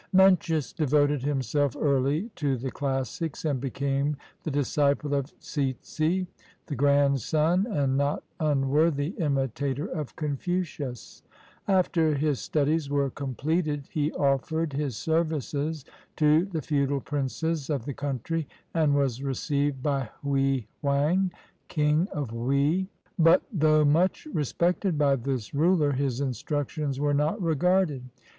Mencius devoted himself early to the classics, and became the disciple of Tsz'sz', the grandson and not unworthy imitator of Confucius. After his studies were completed, he offered his services to the feudal princes of the country, and was received by Hwui wang, King of Wei; but though much respected by this ruler, his instructions were not regarded.